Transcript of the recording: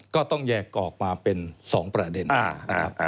ก็ต้องแยกออกมาเป็นสองประเด็น